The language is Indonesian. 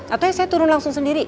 atau saya turun langsung sendiri